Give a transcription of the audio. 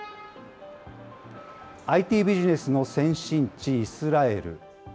ＩＴビジネスの先進地、イスラエル。